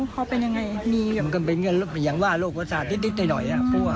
เขาเป็นยังไงมันก็เป็นอย่างว่าโรคโรศาสตร์นิดนิดได้หน่อยอ่ะ